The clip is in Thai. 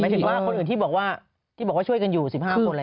หมายถึงว่าคนอื่นที่บอกว่าช่วยกันอยู่๑๕คนอะไร